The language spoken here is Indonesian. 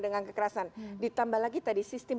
dengan kekerasan ditambah lagi tadi sistem